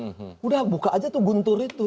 sudah buka aja tuh guntur itu